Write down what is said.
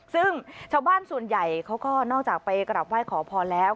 ซึ่งชาวบ้านส่วนใหญ่เขาก็นอกจากไปกลับไหว้ขอพรแล้ว